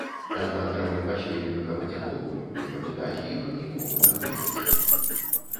Аднак жа мы паспелі выкапаць акопы, і пакідаць іх нікому не хочацца.